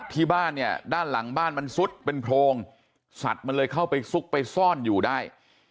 ที่บ้านเนี่ยด้านหลังบ้านมันซุดเป็นโพรงสัตว์มันเลยเข้าไปซุกไปซ่อนอยู่ได้